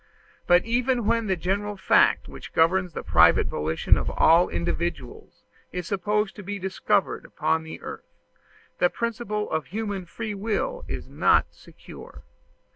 But even when the general fact which governs the private volition of all individuals is supposed to be discovered upon the earth, the principle of human free will is not secure.